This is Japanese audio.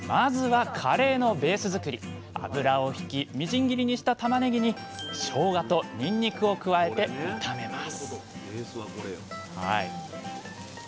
まずは油をひきみじん切りにしたたまねぎにしょうがとにんにくを加えて炒めます